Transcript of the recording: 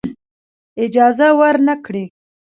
اجازه ورنه کړی.